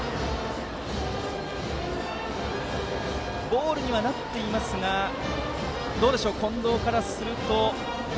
ボールにはなっていますがどうでしょう、近藤からすると。